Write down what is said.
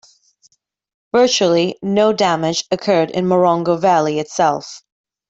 Virtually no damage occurred in Morongo Valley itself.